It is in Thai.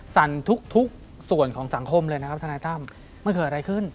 สั่นทุกส่วนของสังคมเลยนะครับทราบก็เผยอะไรขึ้น